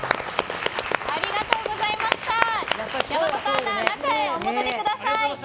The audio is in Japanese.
山本アナ、中へお戻りください。